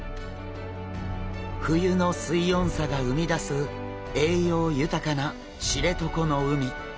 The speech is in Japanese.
冬の水温差が生み出す栄養豊かな知床の海。